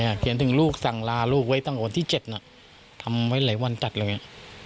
อะไรอ่ะเขียนถึงลูกสั่งลาลูกไว้ตั้งวันที่๗น่ะทำไว้หลายวันจัดแล้วเนี่ย